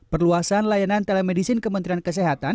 perluasan layanan telemedicine